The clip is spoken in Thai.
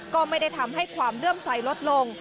ก็ไม่ได้ทำให้ความเลื่อมใสลดลง